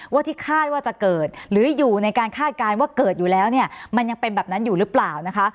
ว่าที่คาดว่าจะเกิดหรืออยู่ในการคาดการณ์ว่าเกิดอยู่แล้วเนี่ยมันยังเป็นแบบนั้นอยู่หรือเปล่านะคะ